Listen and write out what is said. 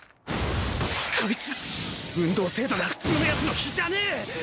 こいつ運動精度が普通のヤツの比じゃねぇ！